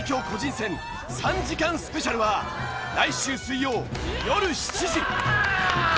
個人戦３時間スペシャルは来週水曜よる７時！